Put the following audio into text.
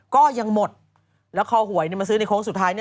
ก็ยังหมดแล้วคอหวยมาซื้อในโค้งสุดท้าย